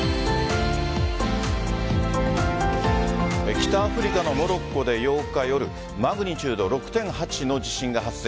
北アフリカのモロッコで８日夜マグニチュード６．８の地震が発生。